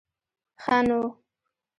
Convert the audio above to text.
ښه نو.